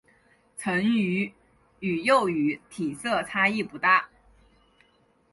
成鱼与幼鱼体色差异不大。